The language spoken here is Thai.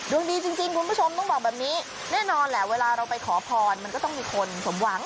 ดวงดีจริงคุณผู้ชมต้องบอกแบบนี้แน่นอนแหละเวลาเราไปขอพรมันก็ต้องมีคนสมหวัง